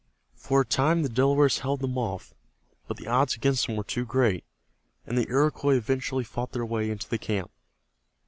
For a time the Delawares held them off, but the odds against them were too great, and the Iroquois eventually fought their way into the camp.